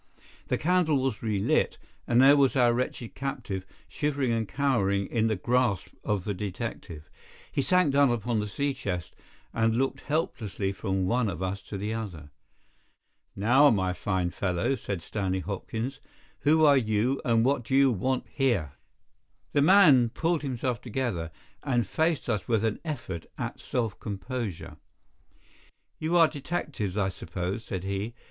The candle was relit, and there was our wretched captive, shivering and cowering in the grasp of the detective. He sank down upon the sea chest, and looked helplessly from one of us to the other. "Now, my fine fellow," said Stanley Hopkins, "who are you, and what do you want here?" The man pulled himself together, and faced us with an effort at self composure. "You are detectives, I suppose?" said he.